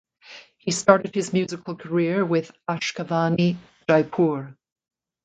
He started his musical career with Akashvani Jaipur.